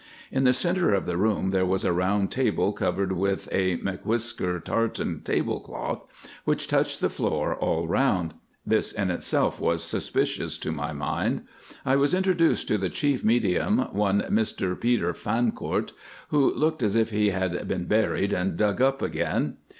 In the centre of the room there was a round table covered with a M'Whisker tartan tablecloth, which touched the floor all round: this in itself was suspicious to my mind. I was introduced to the chief medium, one Mr Peter Fancourt, who looked as if he had been buried and dug up again.